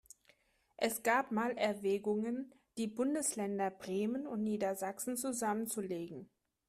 Es gab mal Erwägungen, die Bundesländer Bremen und Niedersachsen zusammenzulegen.